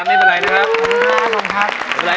ไม่เป็นไร